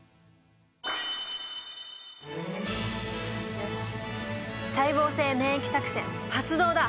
よし細胞性免疫作戦発動だ。